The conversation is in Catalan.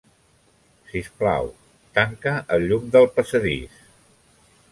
Sisplau, tanca el llum del passadís.